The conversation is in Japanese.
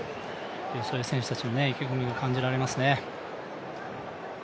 そういう選手たちの意気込みも感じられますね。